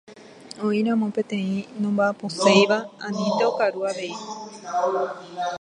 Oĩramo peteĩ nomba'aposéiva anínte okaru avei.